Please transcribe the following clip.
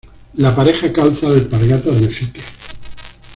La pareja calza alpargatas de fique.